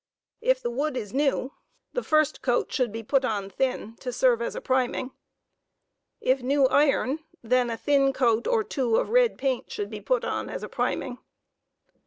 If the wood is new, the first 29 coat should be put 611 thin, to servo as a priming. If new iron, then a thin coat or two of red paint should be put on as a priming.